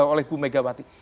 oleh bu megawati